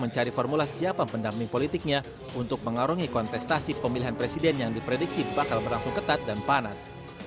mencari formula siapa pendamping politiknya untuk mengarungi kontestasi pemilihan presiden yang diprediksi bakal berlangsung ketat dan panas